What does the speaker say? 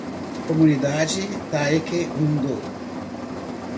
Comunidade Taekwondo